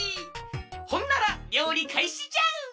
ほんならりょうりかいしじゃ！